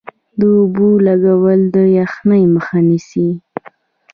د اوبو لګول د یخنۍ مخه نیسي؟